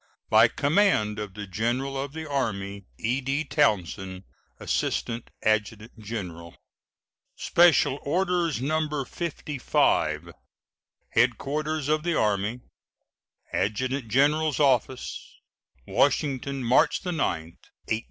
By command of the General of the Army: E.D. TOWNSEND, Assistant Adjutant General. SPECIAL ORDERS, No. 55. HEADQUARTERS OF THE ARMY, ADJUTANT GENERAL'S OFFICE, Washington, March 9, 1869.